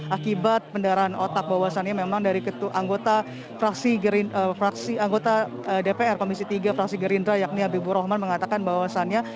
akibat pendarahan otak bahwasannya memang dari anggota dpr komisi tiga fraksi gerindra yakni habibur rahman mengatakan bahwasannya